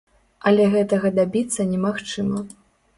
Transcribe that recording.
Але гэтага дабіцца немагчыма.